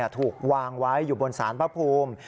ถูกวางไว้อยู่บนสารพระภูมิ